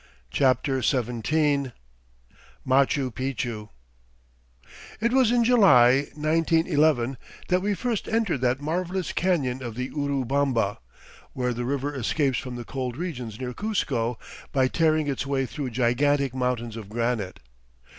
CHAPTER XVII Machu Picchu It was in July, 1911, that we first entered that marvelous canyon of the Urubamba, where the river escapes from the cold regions near Cuzco by tearing its way through gigantic mountains of granite.